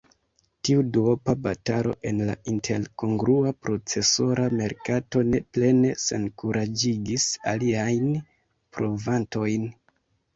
Tiu duopa batalo en la Intel-kongrua procesora merkato ne plene senkuraĝigis aliajn provantojn.